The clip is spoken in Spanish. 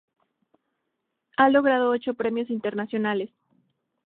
Ha logrado ocho premios internacionales.